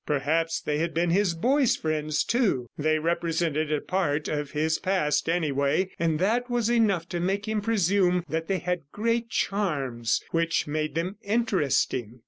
Perhaps they had been his boy's friends, too. They represented a part of his past, anyway, and that was enough to make him presume that they had great charms which made them interesting.